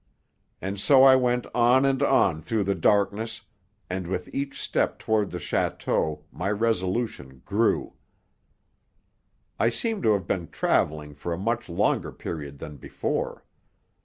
And so I went on and on through the darkness, and with each step toward the château my resolution grew. I seemed to have been travelling for a much longer period than before.